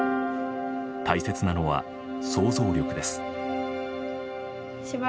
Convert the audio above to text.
大切なのは想像力です。